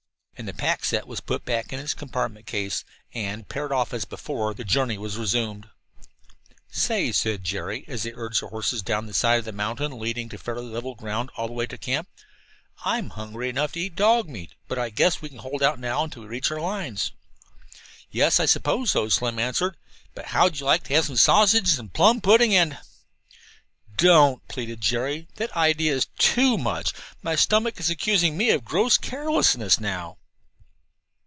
And the pack set was put back in its compact case, and, paired off as before, the journey was resumed. "Say," said Jerry, as they urged their horses down the side of the mountain leading to fairly level ground all the way into camp, "I'm hungry enough to eat dog meat, but I guess we can hold out now until we reach our lines." "Yes, I suppose so," Slim answered. "But how'd you like to have some sausage, and some plum pudding, and " "Don't," pleaded Jerry. "The idea is too much. My stomach is accusing me of gross carelessness now."